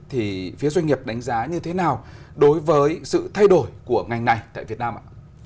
thì phía doanh nghiệp đánh giá như thế nào đối với sự thay đổi của ngành này tại việt nam ạ